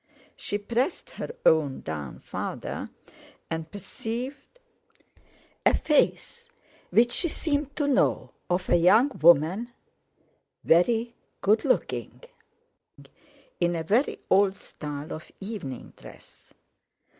She pressed her own down further, and perceived a face, which she seemed to know, of a young woman, very good looking, in a very old style of evening dress.